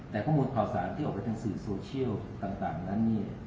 แต่ข้อมูลข่าวสารที่ออกไปเป็นสื่อโซเชียลต่างนั้นนี่